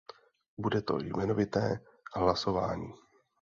Bude to jmenovité hlasování.